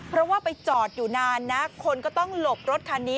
เพราะว่าไปจอดอยู่นานนะคนก็ต้องหลบรถคันนี้